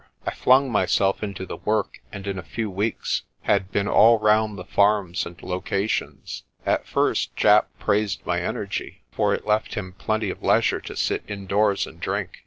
I flung myself into the work, and in a few weeks had been all round the farms and locations. At first Japp praised my energy, for it left him plenty of leisure to sit indoors and drink.